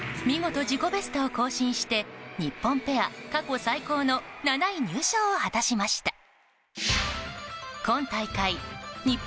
見事、自己ベストを更新して日本ペア過去最高の７位入賞を果たしました。